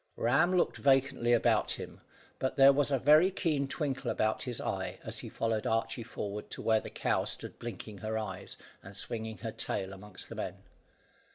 Ram looked vacantly about him, but there was a very keen twinkle about his eyes, as he followed Archy forward to where the cow stood blinking her eyes, and swinging her tail amongst the men.